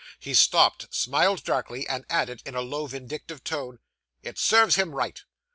He stopped, smiled darkly, and added, in a low, vindictive tone, 'It serves him right!